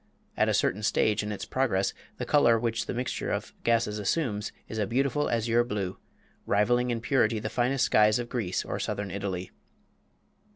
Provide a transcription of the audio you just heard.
At a certain stage in its progress the color which the mixture of gases assumes is a beautiful azure blue, rivaling in purity the finest skies of Greece or southern Italy.